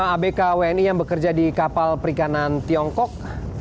lima abk wni yang bekerja di kapal perikanan tiongkok